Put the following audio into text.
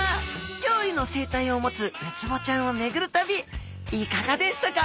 きょういの生態を持つウツボちゃんをめぐる旅いかがでしたか？